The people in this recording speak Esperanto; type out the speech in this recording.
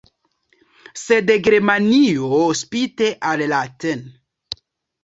Sed Germanio spite al la tn.